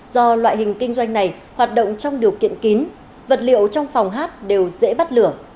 do loại hình kinh doanh này hoạt động trong điều kiện kín vật liệu trong phòng hát đều dễ bắt lửa